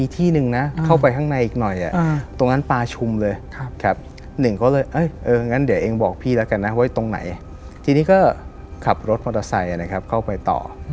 ทีนี้ก็ขับรถมอเตอร์ไซค์นะครับเข้าไปต่อ